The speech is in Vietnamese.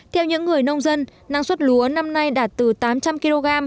theo những người nông dân năng suất lúa năm nay đạt từ tám trăm linh kg